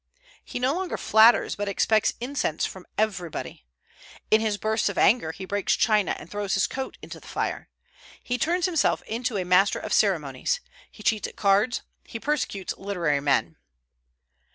He no longer flatters, but expects incense from everybody. In his bursts of anger he breaks china and throws his coat into the fire. He turns himself into a master of ceremonies; he cheats at cards; he persecutes literary men.